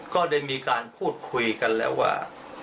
ก็ได้มีการพูดคุยกันแล้วว่า